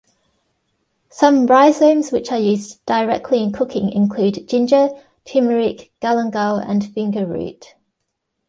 Some rhizomes which are used directly in cooking include ginger, turmeric, galangal, and fingerroot.